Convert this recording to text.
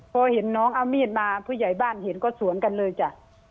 พอเห็นน้องเอามีดมาผู้ใหญ่บ้านเห็นก็สวนกันเลยจ้ะ